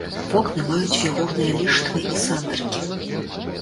Вокны маюць фігурныя ліштвы і сандрыкі.